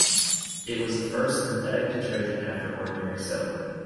It was the first synthetic detergent after ordinary soap.